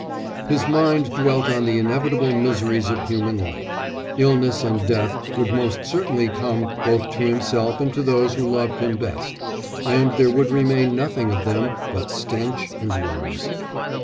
His mind dwelt on the inevitable miseries of human life; illness and death would most certainly come both to himself and to those who loved him best, and there would remain nothing of them but stench and worms.